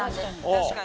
確かに。